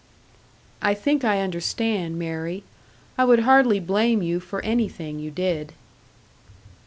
"I think I understand, Mary. I would hardly blame you for anything you did."